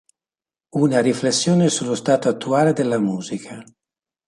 Una riflessione sullo stato attuale della musica.